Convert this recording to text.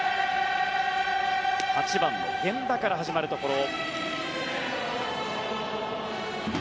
８番の源田から始まるところ。